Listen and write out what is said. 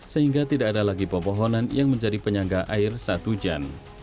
sehingga tidak ada lagi pepohonan yang menjadi penyangga air saat hujan